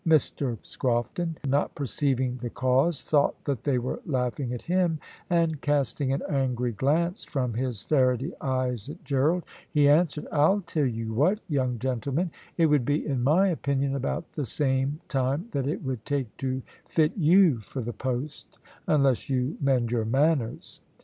Mr Scrofton, not perceiving the cause, thought that they were laughing at him, and casting an angry glance from his ferrety eyes at Gerald, he answered, "I'll tell you what, young gentlemen, it would be in my opinion about the same time that it would take to fit you for the post, unless you mend your manners.